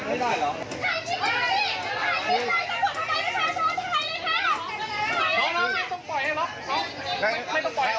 อย่าล้มไว้แล้วล้มไป